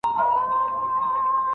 نن به دي سېل د توتکیو تر بهاره څارې